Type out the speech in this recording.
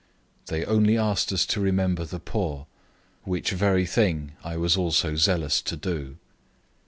002:010 They only asked us to remember the poor which very thing I was also zealous to do.